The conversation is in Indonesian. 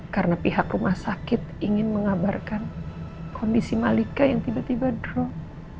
karena pihak rumah sakit ingin mengabarkan kondisi malika yang tiba tiba drop